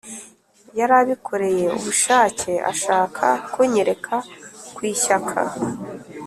yarabikoreye ubushake ashaka kunyereka ko ishyaka